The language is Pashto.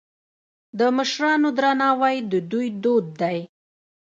د مشرانو درناوی د دوی دود دی.